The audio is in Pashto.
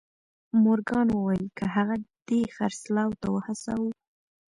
مورګان وويل که هغه دې خرڅلاو ته وهڅاوه.